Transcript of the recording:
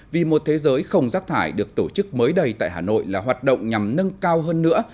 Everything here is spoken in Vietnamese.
vì một thế giới không rác thải được tổ chức mới đây tại hà nội là hoạt động nhằm nâng cao hơn nữa